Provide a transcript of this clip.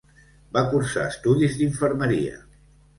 Va cursar estudis d'infermeria.